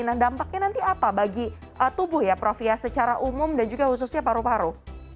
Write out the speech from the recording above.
nah dampaknya nanti apa bagi tubuh ya prof ya secara umum dan juga khususnya paru paru